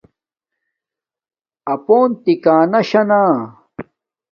اپݸن تِکݳنݳ شݳ نݳ۔